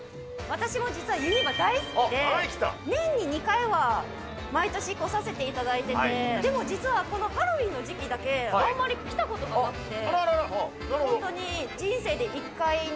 私も実はユニバ大好きで、年に２回は毎年来させていただいてて、でも実はハロウィーンの時期だけあまり来たことがなくて。